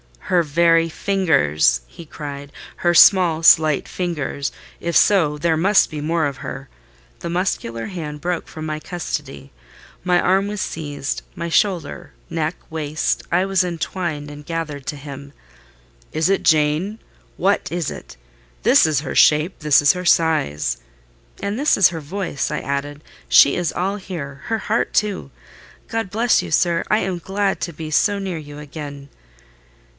"Her very fingers!" he cried; "her small, slight fingers! If so there must be more of her." The muscular hand broke from my custody; my arm was seized, my shoulder—neck—waist—I was entwined and gathered to him. "Is it Jane? What is it? This is her shape—this is her size—" "And this her voice," I added. "She is all here: her heart, too. God bless you, sir! I am glad to be so near you again."